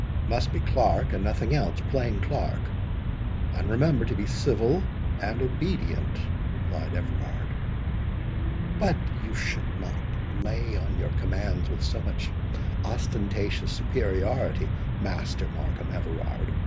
"It must be clerk, and nothing else—plain clerk—and remember to be civil and obedient," replied Everard. "But you should not lay on your commands with so much ostentatious superiority, Master Markham Everard.